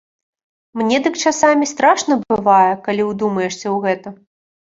Мне дык часамі страшна бывае, калі ўдумаешся ў гэта.